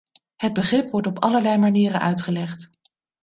Het begrip wordt op allerlei manieren uitgelegd.